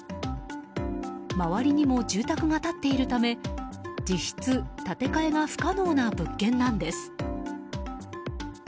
周りにも住宅が立っているため実質、建て替えが不可能な物件なんです。